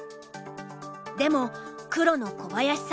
でも黒の小林さん